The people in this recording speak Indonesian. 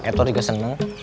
edward juga seneng